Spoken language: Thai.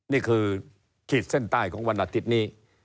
นี่คือขีดเส้นใต้ของวันอาทิตย์นี้